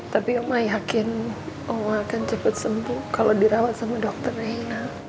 tapi mbak ma yakin mbak ma akan cepet sembuh kalau dirawat sama dokter reina